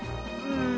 うん。